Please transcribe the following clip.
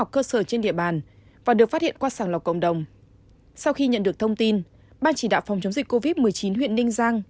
sau khi nhận được thông tin ban chỉ đạo phòng chống dịch covid một mươi chín huyện ninh giang